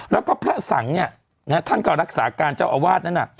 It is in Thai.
แล้วก็พระสังเนี่ยท่านก็รักษาการเจ้าอาวาสนั้นน่ะ